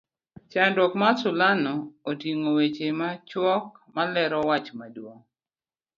chakruok mar sulano otingo weche machuok ma lero wach maduong'